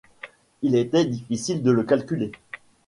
Il était difficile de le calculer.